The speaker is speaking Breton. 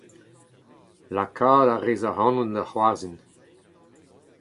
Lakaat a rez ac'hanon da c'hoarzin